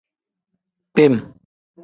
Kpem.